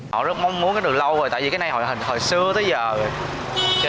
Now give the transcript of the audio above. họ rất mong muốn được lâu rồi tại vì cái này hồi xưa tới giờ rồi